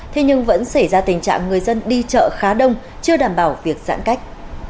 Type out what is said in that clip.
thế nhưng vẫn xảy ra tình trạng người dân đi chợ khá đông chưa đảm bảo việc giãn cách